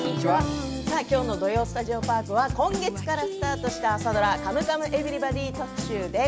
きょうの「土曜スタジオパーク」は今月からスタートした朝ドラ「カムカムエヴリバディ」特集です。